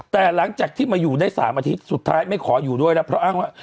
แต่หลังจากที่มาอยู่ได้๓อาทิตย์สุดท้ายไม่ขออยู่ด้วยแล้วเพราะอ้างว่า